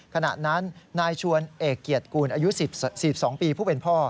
ขณะนั้นนายชวนเอกเกียรติกูลอายุ๔๒ปีผู้เป็นพ่อ